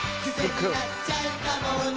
くせになっちゃうかもね